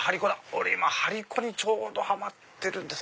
俺今張り子にちょうどハマってるんですよ。